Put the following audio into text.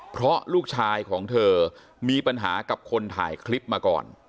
เพราะลูกชายของเธอมีปัญหากับคนถ่ายคลิปมาก่อน